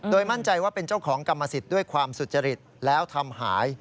มั่นใจว่าเป็นเจ้าของกรรมสิทธิ์ด้วยความสุจริตแล้วทำหาย